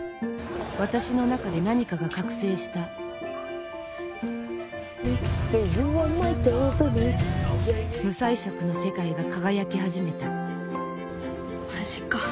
私の中で何かが覚醒した無彩色の世界が輝き始めたマジか。